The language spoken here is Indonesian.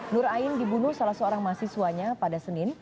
nur ain dibunuh salah seorang mahasiswanya pada senin